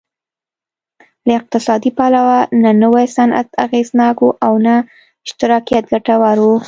له اقتصادي پلوه نه نوی صنعت اغېزناک و او نه اشتراکیت ګټور و